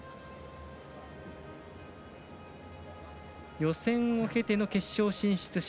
予選を経ての決勝進出者。